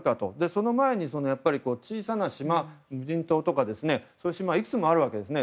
その前に小さな島無人島とかそういう島はいくつもあるわけです。